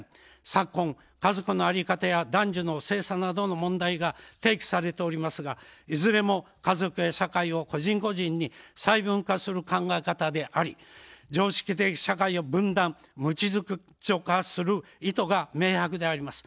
昨今、家族の在り方や男女の性差などの問題が提起されておりますがいずれも家族や社会を個人個人に細分化する考え方であり常識的社会を分断、無秩序化する意図が明白であります。